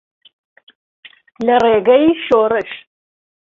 لە ڕیگەی شۆرش.